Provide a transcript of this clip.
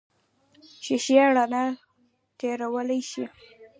شیشې رڼا تېرولی شي.